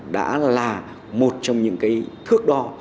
đã là một trong những cái thước đo